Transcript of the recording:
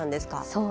そう。